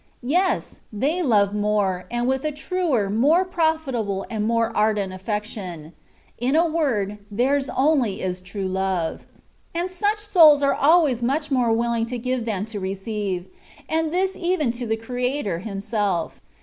Yes ! they love more, and with a truer, more profitable, and more ardent aflfection; in a word, theirs only is true love. And such souls are always much more willing to give than to receive, and this even to the Creator Himself.